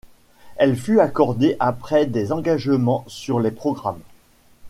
Elle fut accordée après des engagements sur les programmes.